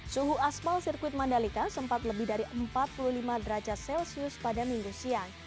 suhu asfal sirkuit mandalika sempat lebih dari empat puluh lima derajat celcius pada minggu siang